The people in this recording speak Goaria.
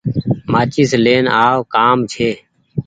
مآچيس لين آو ڪآم ڇي۔